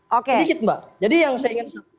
oke sedikit mbak jadi yang saya ingin sampaikan